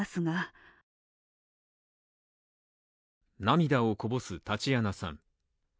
涙をこぼすタチアナさん。